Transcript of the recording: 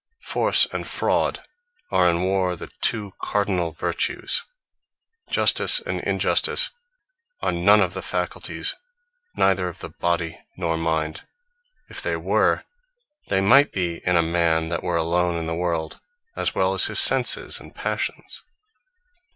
Force, and Fraud, are in warre the two Cardinall vertues. Justice, and Injustice are none of the Faculties neither of the Body, nor Mind. If they were, they might be in a man that were alone in the world, as well as his Senses, and Passions.